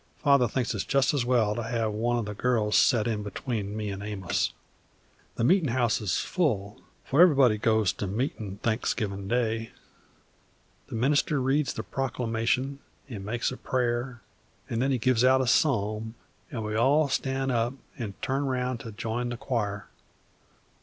Father thinks it is jest as well to have one o' the girls set in between me an' Amos. The meetin' house is full, for everybody goes to meetin' Thanksgivin' day. The minister reads the proclamation an' makes a prayer, an' then he gives out a psalm, an' we all stan' up an' turn round an' join the choir.